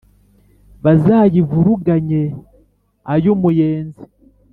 bazayivuruganye ay'umuyenzi